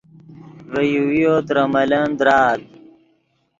ڤے یوویو ترے ملن درآت